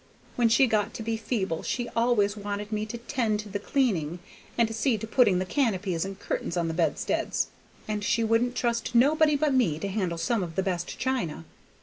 When she got to be feeble she always wanted me to 'tend to the cleaning and to see to putting the canopies and curtains on the bedsteads, and she wouldn't trust nobody but me to handle some of the best china.